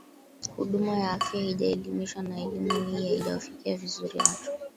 huduma ya afya haijaelimishwa na elimu hii haijawafikia vizuri watu